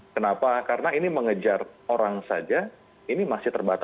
kenapa karena ini mengejar orang saja ini masih terbatas